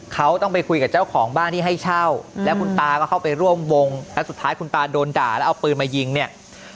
เขาต้องไปคุยกับเจ้าของบ้านที่ให้เช่าแล้วคุณตาก็เข้าไปร่วมวงแล้วสุดท้ายคุณตาโดนด่าแล้วเอาปืนมายิงเนี่ย